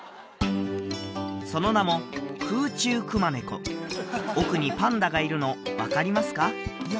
その名も空中熊猫奥にパンダがいるの分かりますか？